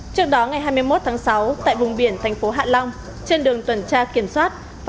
trước đó ngày hai mươi một tháng sáu tại vùng biển thành phố hạ long trên đường tuần tra kiểm soát